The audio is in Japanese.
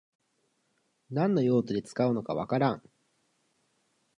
何の用途で使うのかわからん